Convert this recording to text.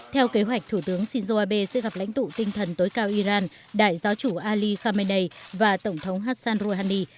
theo kế hoạch thủ tướng shinzo abe sẽ gặp lãnh tụ tinh thần tối cao iran đại giáo chủ ali khamenei và tổng thống hassan rouhani